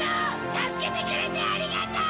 助けてくれてありがとう！